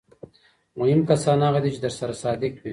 مهم کسان هغه دي چې درسره صادق وي.